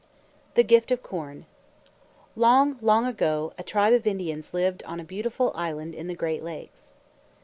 THE GIFT OF CORN Long, long ago, a tribe of Indians lived on a beautiful island in the Great Lakes.